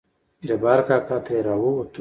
جبار کاکا ترې راووتو.